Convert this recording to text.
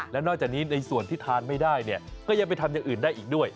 แล้วนอกจากนี้ในส่วนที่ทานไม่ได้เนี่ยก็ยังไปทำอย่างอื่นได้อีกด้วย